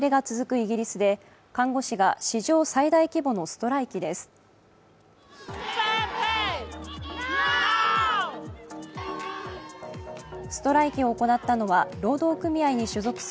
イギリスで看護師が史上最大規模のストライキです。